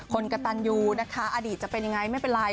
กระตันยูนะคะอดีตจะเป็นยังไงไม่เป็นไร